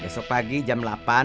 besok pagi jam delapan